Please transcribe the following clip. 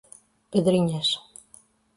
Pedrinhas